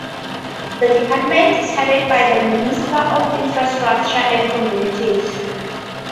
The department is headed by the Minister of Infrastructure and Communities.